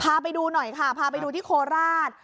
พาไปดูหน่อยค่ะพาไปดูที่โคราช